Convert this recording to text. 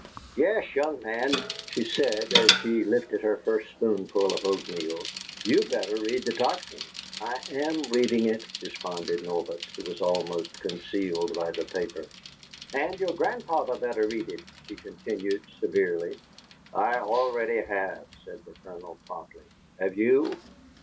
"Yes, young man," she said, as she lifted her first spoonful of oatmeal, "you BETTER read the Tocsin!" "I AM reading it," responded Norbert, who was almost concealed by the paper. "And your grandfather better read it!" she continued, severely. "I already have," said the Colonel, promptly. "Have you?"